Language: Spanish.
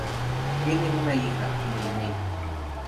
Tiene una hija, Nei Nei.